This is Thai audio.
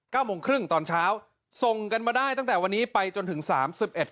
เก้าโมงครึ่งตอนเช้าส่งกันมาได้ตั้งแต่วันนี้ไปจนถึงสามสิบเอ็ด